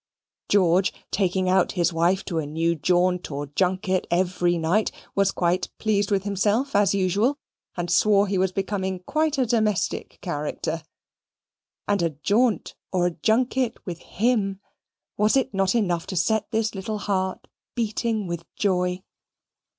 George, taking out his wife to a new jaunt or junket every night, was quite pleased with himself as usual, and swore he was becoming quite a domestic character. And a jaunt or a junket with HIM! Was it not enough to set this little heart beating with joy?